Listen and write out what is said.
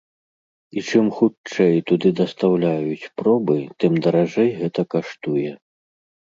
І чым хутчэй туды дастаўляюць пробы, тым даражэй гэта каштуе.